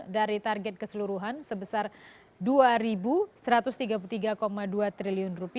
dari target keseluruhan sebesar rp dua satu ratus tiga puluh tiga dua triliun